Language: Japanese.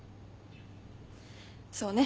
そうね。